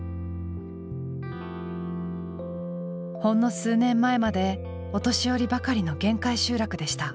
ほんの数年前までお年寄りばかりの限界集落でした。